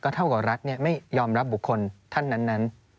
เท่ากับรัฐไม่ยอมรับบุคคลท่านนั้น